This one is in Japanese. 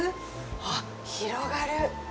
あっ、広がる！